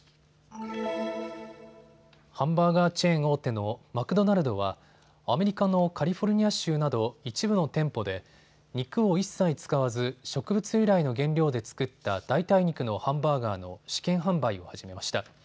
ハンバーガーチェーン大手のマクドナルドはアメリカのカリフォルニア州など一部の店舗で肉を一切使わず植物由来の原料で作った代替肉のハンバーガーの試験販売を始めました。